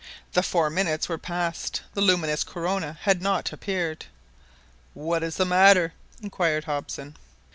The four minutes were past. The luminous corona had not appeared ! "What is the matter?" inquired Hobson.